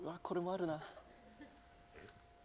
これもあるな。